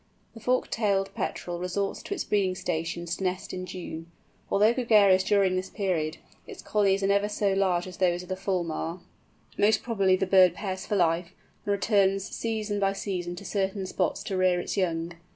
The Fork tailed Petrel resorts to its breeding stations to nest in June. Although gregarious during this period, its colonies are never so large as those of the Fulmar. Most probably the bird pairs for life, and returns season by season to certain spots to rear its young.